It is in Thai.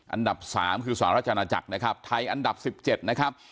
อันดับ๓คือสหราชอาณาจักรนะครับไทยอันดับ๑๗นะครับ